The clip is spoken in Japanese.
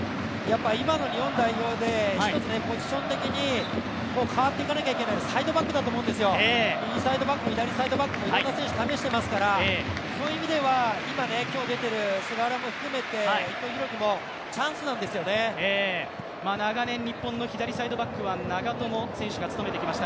今の日本代表でポジション的に変わっていかないといけないのはサイドバックだと思うんですよ、右サイドバック、左サイドバック、いろんな選手、試していますからそういう意味では今、今日出てる菅原含めて、伊藤洋輝も長年、日本の左サイドバックは長友選手が務めてきました。